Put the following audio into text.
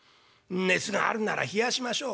熱があるなら冷やしましょう。